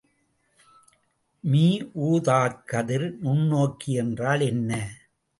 மீஊதாக்கதிர் நுண்ணோக்கி என்றால் என்ன?